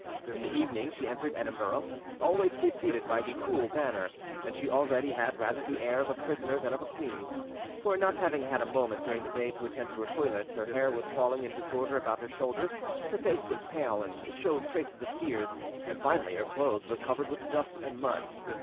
In the evening she entered Edinburgh, always preceded by the cruel banner, and she already had rather the air of a prisoner than of a queen; for, not having had a moment during the day to attend to her toilet, her hair was falling in disorder about her shoulders, her face was pale and showed traces of tears; and finally, her clothes were covered with dust and mud.